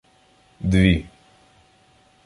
Дві